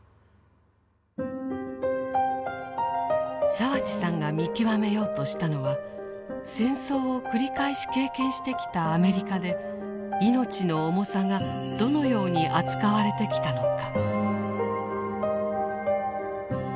澤地さんが見極めようとしたのは戦争を繰り返し経験してきたアメリカで命の重さがどのように扱われてきたのか。